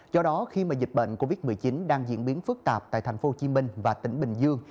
do đó khi mà dịch bệnh covid một mươi chín đang diễn biến phức tạp tại thành phố hồ chí minh và tỉnh bình dương